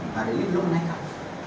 pada ini belum naikkan